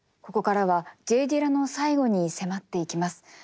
ここからはＪ・ディラの最期に迫っていきます。